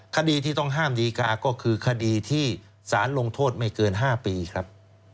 คดีที่ต้องห้ามดีกาก็คือคดีที่สารลงโทษไม่เกิน๕ปีครับ